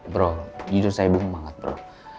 bro jujur saya bingung banget bro